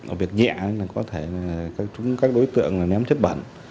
ở việc nhẹ có thể các đối tượng ném chất bẩn